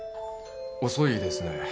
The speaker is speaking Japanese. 遅いですね。